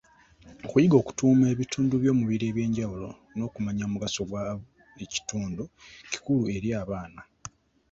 Okuyiga okutuuma ebitundu by’omubiri eby’enjawulo n’okumanya omugaso gwa buli kitundu kikulu eri abaana.